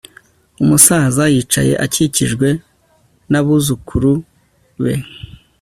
umusaza yicaye akikijwe n'abuzukuru be